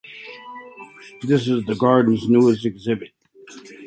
This is the garden's newest exhibit.